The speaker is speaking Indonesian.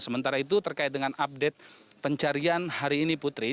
sementara itu terkait dengan update pencarian hari ini putri